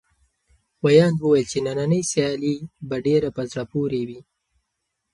ویاند وویل چې نننۍ سیالي به ډېره په زړه پورې وي.